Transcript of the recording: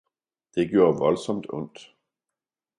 det gjorde voldsomt ondt.